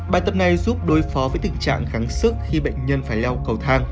bài tập này giúp đối phó với tình trạng kháng sức khi bệnh nhân phải leo cầu thang